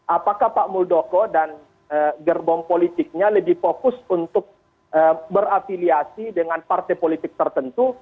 apakah pak muldoko dan gerbong politiknya lebih fokus untuk berafiliasi dengan partai politik tertentu